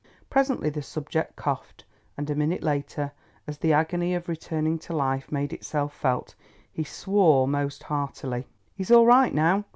Presently the subject coughed, and a minute later, as the agony of returning life made itself felt, he swore most heartily. "He's all right now!"